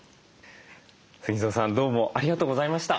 ＳＵＧＩＺＯさんどうもありがとうございました。